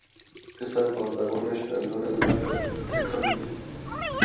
پسر با زبانش دندان لق را تکان میداد.